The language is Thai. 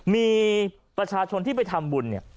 มีประชาชนที่ไปทำบุญเนี่ย